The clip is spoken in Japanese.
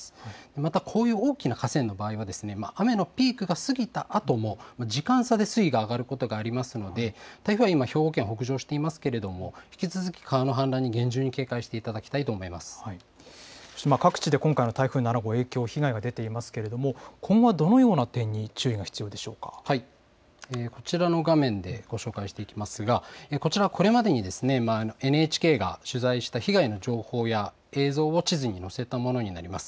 またこういう大きな河川の場合は、雨のピークが過ぎたあとも時間差で水位が上がることがありますので、台風は今、兵庫県を北上していますけれども、引き続き川の氾濫に厳重に警戒していただきたい各地で今回の台風７号の影響、被害が出ていますけれども、今後はどのような点に注意が必要でしこちらの画面でご紹介していきますが、こちら、これまでにＮＨＫが取材した被害の情報や、映像を地図にのせたものになります。